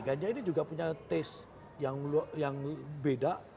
ganja ini juga punya taste yang beda